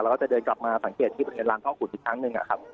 แล้วก็จะเดินกลับมาสังเกตที่เป็นเวลาท่อขุนอีกทั้งหนึ่ง